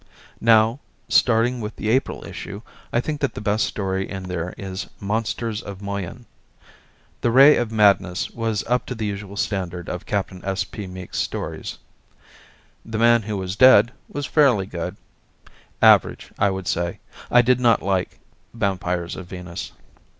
Now, starting with the April issue, I think that the best story in there is "Monsters of Moyen." "The Ray of Madness" was up to the usual standard of Capt. S. P. Meek's stories. "The Man Who Was Dead" was fairly good; average, I would say. I did not like "Vampires of Venus."